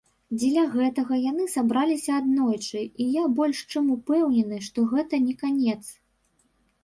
Дзеля гэтага яны сабраліся аднойчы, і я больш чым упэўнены, што гэта не канец.